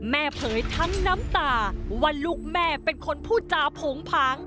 เผยทั้งน้ำตาว่าลูกแม่เป็นคนพูดจาโผงผาง